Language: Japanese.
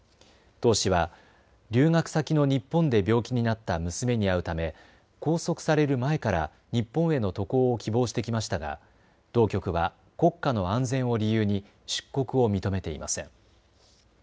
唐氏は留学先の日本で病気になった娘に会うため、拘束される前から日本への渡航を希望してきましたが当局は国家の安全を理由に出国を認めていません。